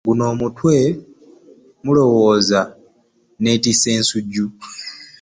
Guno omutwe mulowooza nneetisse nsujju?